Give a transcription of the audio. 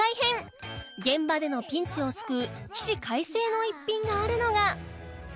現場でのピンチを救う起死回生の一品があるのが